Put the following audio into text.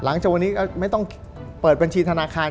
หลังจากวันนี้ก็ไม่ต้องเปิดบัญชีธนาคาร